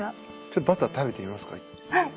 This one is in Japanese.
ちょっとバター食べてみますかい？